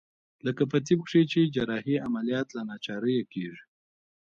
لکه په طب کښې چې جراحي عمليات له ناچارۍ کېږي.